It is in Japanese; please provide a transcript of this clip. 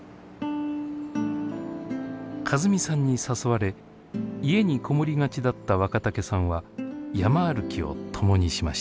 和美さんに誘われ家に籠もりがちだった若竹さんは山歩きを共にしました。